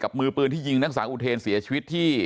กับมือปืนที่ยิงนักศาลอุทธินศ์เสียชีวิตที่